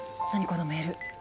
このメール。